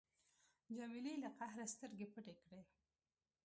جمیلې له قهره سترګې پټې کړې.